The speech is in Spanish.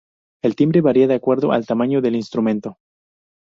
El timbre varía de acuerdo al tamaño del instrumento.